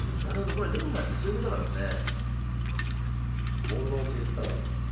これ連歌ってそういうことなんですね。